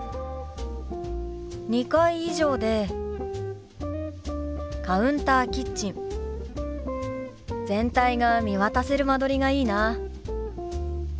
２階以上でカウンターキッチン全体が見渡せる間取りがいいな。